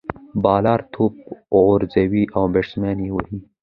بالر توپ غورځوي، او بيټسمېن ئې وهي.